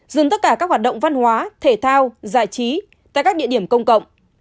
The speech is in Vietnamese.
dừng tất cả các hoạt động văn hóa thể thao giải trí tại các địa điểm công cộng